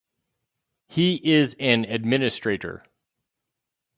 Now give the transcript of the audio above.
He is an administrator.